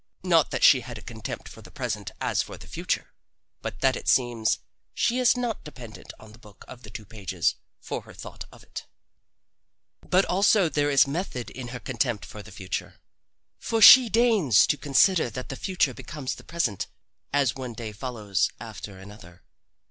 Not that she has a contempt for the present as for the future, but that it seems she is not dependent on the book of the two pages for her thought of it. But also there is method in her contempt for the future. For she deigns to consider that the future becomes the present, as one day follows after another.